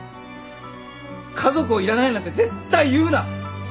家族をいらないなんて絶対言うな。